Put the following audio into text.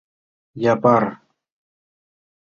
Япар.